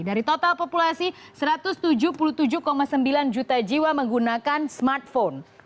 dari total populasi satu ratus tujuh puluh tujuh sembilan juta jiwa menggunakan smartphone